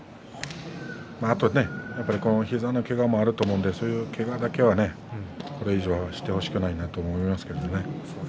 あとは膝のけがもあると思うのでそういうけがだけはこれ以上してほしくないなと思いますけどね。